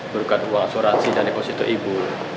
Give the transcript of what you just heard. berkat uang asuransi dan ekosistem ibu